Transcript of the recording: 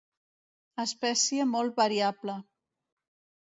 Espècie molt variable.